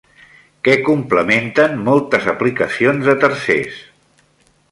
Què complementen moltes aplicacions de tercers?